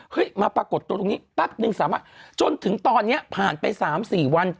มาปรากฏตัวตรงนี้แป๊บนึงสามารถจนถึงตอนนี้ผ่านไป๓๔วัน